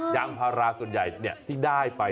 ยางพาราส่วนใหญ่ที่ได้ไป